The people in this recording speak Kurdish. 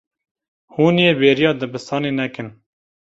Hûn ê bêriya dibistanê nekin.